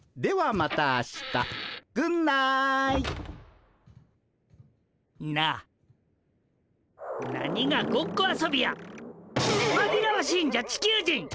まぎらわしいんじゃ地球人！